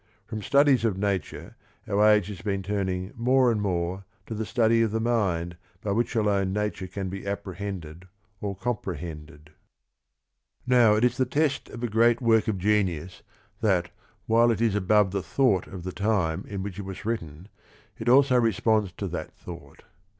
From studies of nature our age has been turning more and more to the study of the mind by which alone nature can be apprehended or comprehended. Now it is the test of a great work of genius that while it is above the thought of the time in which it was written, it also responds to that thought.